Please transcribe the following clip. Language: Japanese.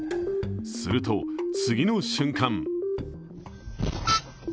すると次の瞬間